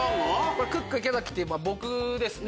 これクック池崎って僕ですね。